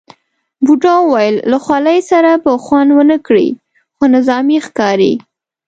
بوډا وویل له خولۍ سره به خوند ونه کړي، خو نظامي ښکاري.